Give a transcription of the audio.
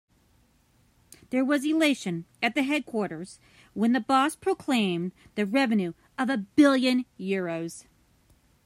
There was elation at the headquarters when the boss proclaimed the revenue of a billion euros.